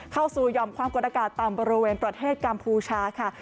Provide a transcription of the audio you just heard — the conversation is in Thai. เข้าสู่ยอมความกดอากาศต่ำบริเวณประเทศกัมพูชาค่ะ